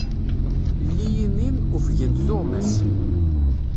Lli imi-m, ufgent tuɣmas.